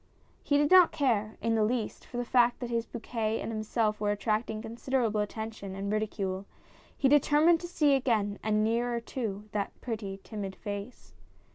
He did not care, in the least, for the fact that his bouquet and himself were attracting considerable attention and ridicule ; he determined to see again, and nearer too, that pretty timid face.